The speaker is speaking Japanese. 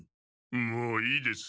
もういいです。